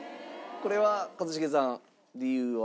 これは一茂さん理由は？